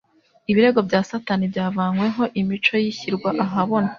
Ibirego bya Satani byavanyweho. Imico ye ishyirwa ahabona.